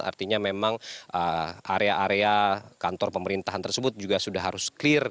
artinya memang area area kantor pemerintahan tersebut juga sudah harus clear